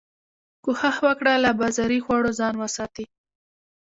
کوښښ وکړه له بازاري خوړو ځان وساتي